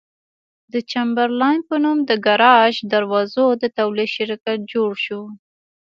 د چمبرلاین په نوم د ګراج دروازو د تولید شرکت جوړ شو.